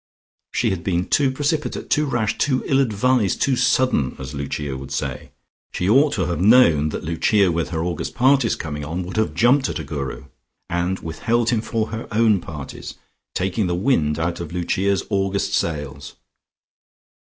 She had been too precipitate, too rash, too ill advised, too sudden, as Lucia would say. She ought to have known that Lucia, with her August parties coming on, would have jumped at a Guru, and withheld him for her own parties, taking the wind out of Lucia's August sails.